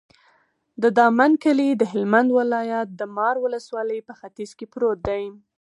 د دامن کلی د هلمند ولایت، د مار ولسوالي په ختیځ کې پروت دی.